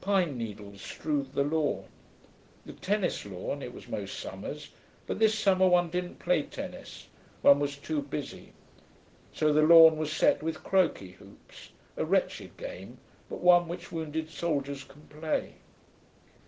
Pine needles strewed the lawn. The tennis lawn, it was most summers; but this summer one didn't play tennis, one was too busy. So the lawn was set with croquet hoops, a wretched game, but one which wounded soldiers can play.